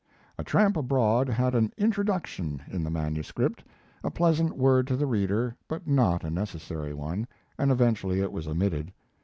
'A Tramp Abroad' had an "Introduction" in the manuscript, a pleasant word to the reader but not a necessary one, and eventually it was omitted.